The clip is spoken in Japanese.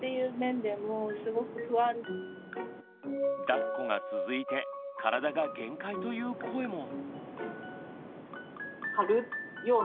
だっこが続いて体が限界という声も。